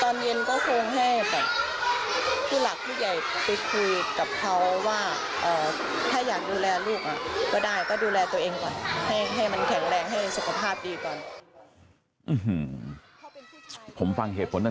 ตอนเย็นก็คงให้แบบผู้หลักผู้ใหญ่ไปคุยกับเขาว่า